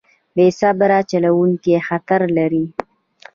بې صبره چلوونکی خطر لري.